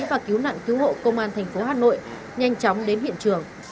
và cứu nạn cứu hộ công an thành phố hà nội nhanh chóng đến hiện trường